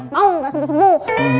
mau gak sembuh sembuh